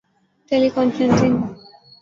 ٹیلی conferencing م